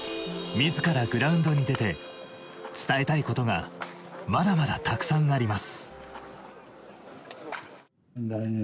自らグラウンドに出て、伝えたいことがまだまだたくさんあります。